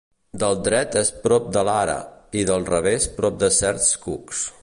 Del dret és prop de l'ara i del revés prop de certs cucs.